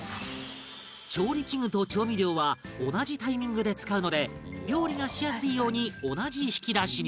調理器具と調味料は同じタイミングで使うので料理がしやすいように同じ引き出しに